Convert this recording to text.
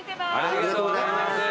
ありがとうございます。